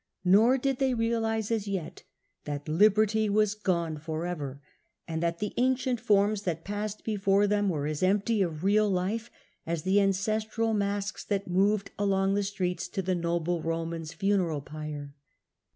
Nor did they realise as yet that liberty was gone for ever, and that the ancient forms that passed before them were as empty of real life as the ancestral masks that moved along the streets to the noble Roman's funeral pyre.